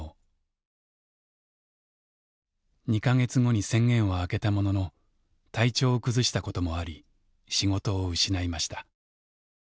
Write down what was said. ２か月後に宣言は明けたものの体調を崩したこともあり仕事を失いました。